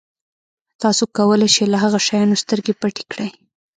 تاسو کولای شئ له هغه شیانو سترګې پټې کړئ.